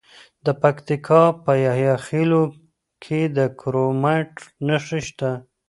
د پکتیکا په یحیی خیل کې د کرومایټ نښې شته.